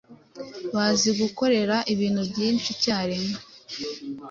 bazi gukorera ibintu byinshi icyarimwe